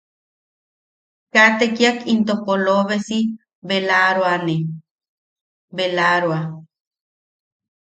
Kaa tekiak into polobesi belaaroane. belaa-roa-.